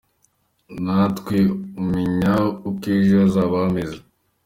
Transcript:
Ntawe umenya uko ejo hazaba hameze.